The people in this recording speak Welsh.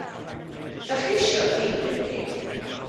Dach chi isio dilyn fi?